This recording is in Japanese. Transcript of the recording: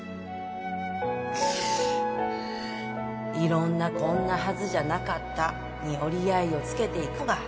色んな「こんなはずじゃなかった」に折り合いをつけていくのが